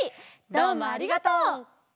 どうもありがとう！